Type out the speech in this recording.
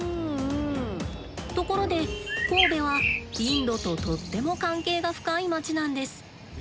ところで神戸はインドととっても関係が深い街なんです。